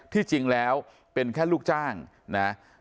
ที่จริงแล้วเป็นแค่ลูกจ้างนะ